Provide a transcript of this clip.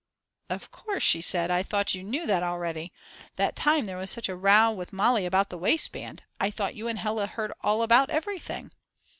"Of course," she said, "I thought you knew that already. That time there was such a row with Mali about the waistband, I thought you and Hella had heard all about everything."